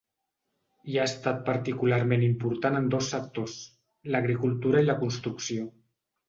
I ha estat particularment important en dos sectors: l’agricultura i la construcció.